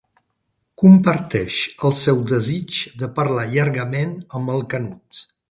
Comparteix el seu desig de parlar llargament amb el Canut.